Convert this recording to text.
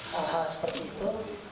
hal hal seperti itu